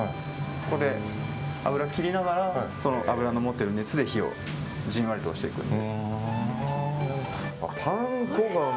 ここで油を切りながら油の持ってる熱で火をじんわり通していくと。